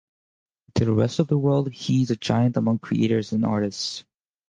To the rest of the world, he's a giant among creators and artists.